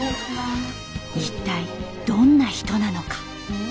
一体どんな人なのか？